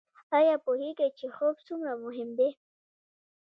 ایا پوهیږئ چې خوب څومره مهم دی؟